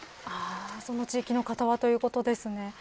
その地域の方はということですね。